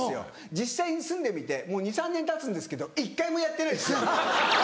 実際に住んでみてもう２３年たつんですけど１回もやってないですよ。